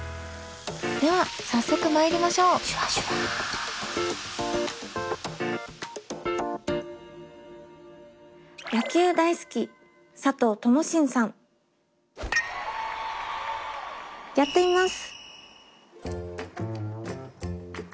では早速まいりましょうやってみます。